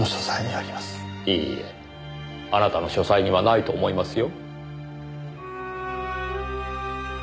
いいえあなたの書斎にはないと思いますよ。